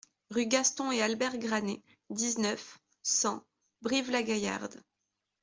Rue Gaston et Albert Granet, dix-neuf, cent Brive-la-Gaillarde